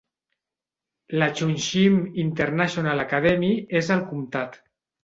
La Cheongshim International Academy és al comtat.